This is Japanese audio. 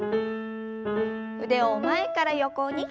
腕を前から横に。